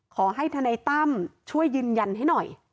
ขอให้ช่วยช่วยยืนยันให้หน่อย